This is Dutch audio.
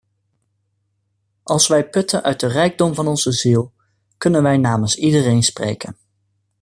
Als wij putten uit de rijkdom van onze ziel, kunnen wij namens iedereen spreken.